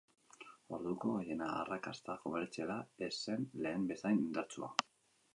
Orduko, haien arrakasta komertziala ez zen lehen bezain indartsua.